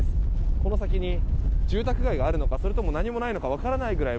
この先に住宅街があるのかそれとも何もないのか分からないぐらい